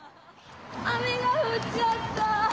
雨が降っちゃった。